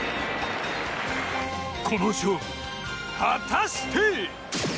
この勝負、果たして。